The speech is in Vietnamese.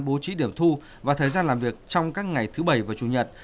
bố trí điểm thu và thời gian làm việc trong các ngày thứ bảy và chủ nhật